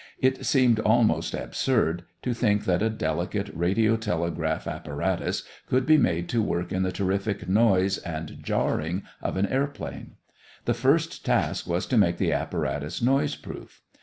It seemed almost absurd to think that a delicate radiotelegraph apparatus could be made to work in the terrific noise and jarring of an airplane. The first task was to make the apparatus noise proof.